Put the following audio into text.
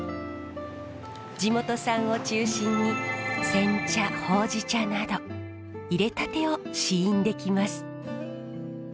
地元産を中心に煎茶ほうじ茶などいれたてを試飲できます。